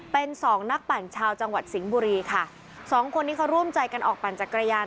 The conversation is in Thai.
เป็นสองนักปั่นชาวจังหวัดสิงห์บุรีค่ะสองคนนี้เขาร่วมใจกันออกปั่นจักรยาน